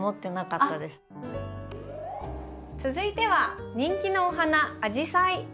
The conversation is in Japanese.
続いては人気のお花アジサイ。